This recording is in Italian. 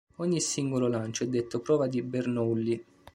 Ogni singolo lancio è detto prova di Bernoulli.